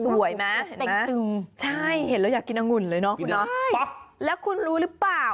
สวยไหมใช่เห็นแล้วอยากกินอังุ่นเลยเนอะคุณเนาะแล้วคุณรู้หรือเปล่า